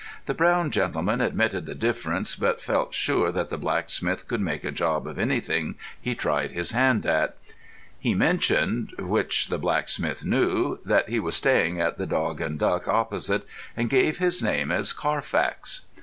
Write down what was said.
The brown gentleman admitted the difference, but felt sure that the blacksmith could make a job of anything he tried his hand at. He mentioned, which the blacksmith knew, that he was staying at "The Dog and Duck" opposite, and gave his name as Carfax.